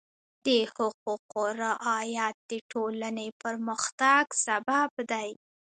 د حقوقو رعایت د ټولنې پرمختګ سبب دی.